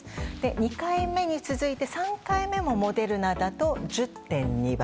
２回目に続いて３回目もモデルナだと１０．２倍。